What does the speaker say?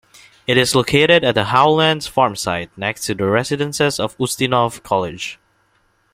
It is located at the Howlands Farm site next to residences of Ustinov College.